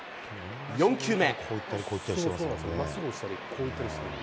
４球目。